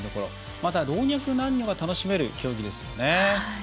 また、老若男女が楽しめる競技ですよね。